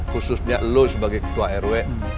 khususnya lo sebagai ketua rw